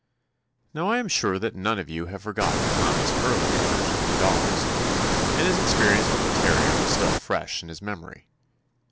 Now, I am sure that none of you have forgotten Tommy's early aver sion to dogs, and his experience with the terrier was still fresh in his mem 218 TOMMY POSTOFFICE ory.